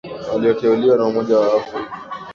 walioteuliwa na umoja wa afri